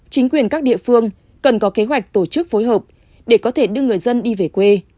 chính quyền các địa phương cần có kế hoạch tổ chức phối hợp để có thể đưa người dân đi về quê